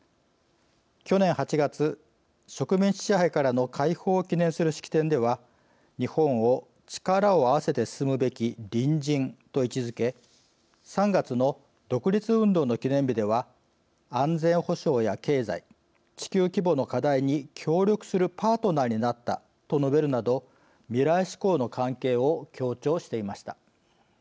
去年８月、植民地支配からの解放を記念する式典では日本を力を合わせて進むべき隣人と位置づけ３月の独立運動の記念日では安全保障や経済地球規模の課題に協力するパートナーになったと述べるなど未来志向の関係を強調していました。